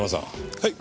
はい。